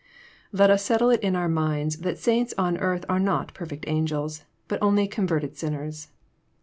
Let us settle it in our minds that saints on earth are not perfect angels, but only converted sinners.